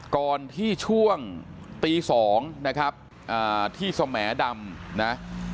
ก่อนที่ช่วงตี๒นะครับที่สแหมดำนะ